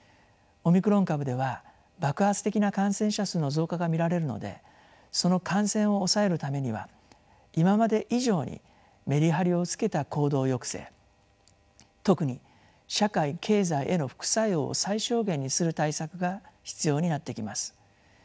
オミクロン株では爆発的な感染者数の増加が見られるのでその感染を抑えるためには今まで以上にメリハリをつけた行動抑制特に社会経済への副作用を最小限にする対策が必要になってきます。